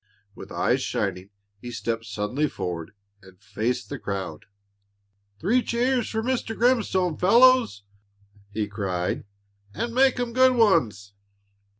With eyes shining, he stepped suddenly forward and faced the crowd. "Three cheers for Mr. Grimstone, fellows!" he cried; "and make 'em good ones!"